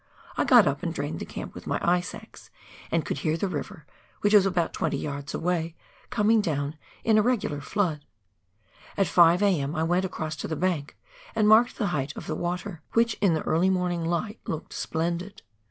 I got up and drained the camp with my ice axe, and could hear the river, which was about twenty yards away, coming down in a regular flood. At 5 A.M. I went across to the bank and marked the height of the water, which in the early morning light looked splendid.